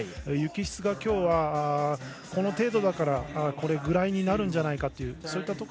雪質が今日は、この程度だからこれぐらいになるんじゃないかと。